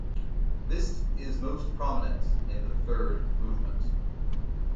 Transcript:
This is most prominent in the third movement.